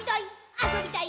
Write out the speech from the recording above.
あそびたい！」